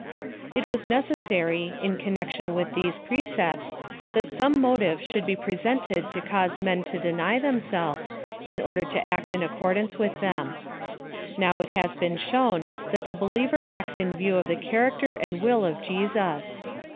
It was ULcessary^ in councxioii with these pre ceptSj thai some 'motive should be prcse/Ued to cause men to deny themselves^ in order to act in accord ance with them. Now it has been shown that the believer acts in view of the character and will of Je sus.